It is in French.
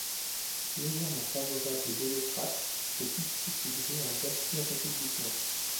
Légèrement favorable aux démocrates, le district devient un bastion républicain.